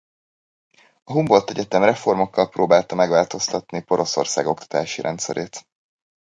A Humboldt Egyetem reformokkal próbálta megváltoztatni Poroszország oktatási rendszerét.